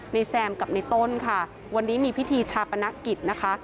แซมกับในต้นค่ะวันนี้มีพิธีชาปนกิจนะคะ